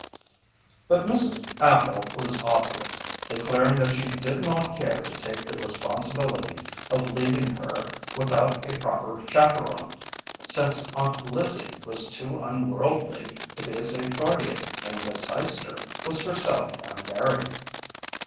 But Mrs. Appel was obdurate, declaring that she did not care to take the responsibility of leaving her without a proper chaperon, since Aunt Lizzie was too unworldly to be a safe guardian and Miss Eyester was herself unmarried.